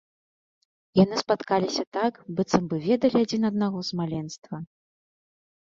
Яны спаткаліся так, быццам бы ведалі адзін аднаго з маленства.